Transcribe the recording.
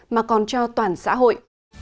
mà còn cho toàn xã hội